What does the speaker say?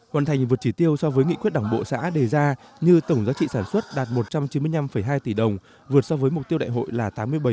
hoàn thành vượt chỉ tiêu so với nghị quyết đảng bộ xã đề ra như tổng giá trị sản xuất đạt một trăm chín mươi năm hai tỷ đồng vượt so với mục tiêu đại hội là tám mươi bảy